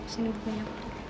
sini buku nyapanya